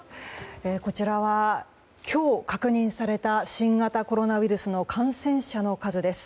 こちらは今日、確認された新型コロナウイルスの感染者の数です。